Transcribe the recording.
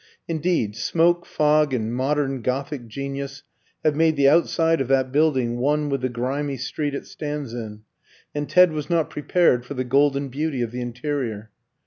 Indeed, smoke, fog, and modern Gothic genius have made the outside of that building one with the grimy street it stands in, and Ted was not prepared for the golden beauty of the interior.